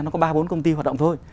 nó có ba bốn công ty hoạt động thôi